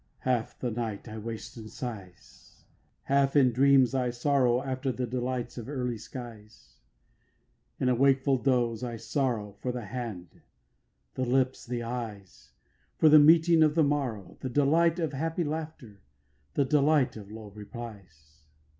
5. Half the night I waste in sighs, Half in dreams I sorrow after The delight of early skies; In a wakeful doze I sorrow For the hand, the lips, the eyes, For the meeting of the morrow, The delight of happy laughter, The delight of low replies.